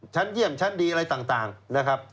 ชั้นเยี่ยมชั้นดีอะไรต่างนะครับ